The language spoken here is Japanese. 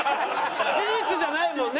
事実じゃないもんね！